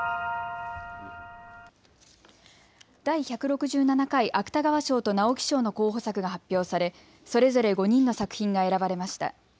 第１６７回芥川賞と直木賞の候補作が発表され、それぞれ５人の作品が選ばれました。